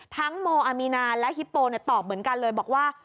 โมอามีนาและฮิปโปตอบเหมือนกันเลยบอกว่า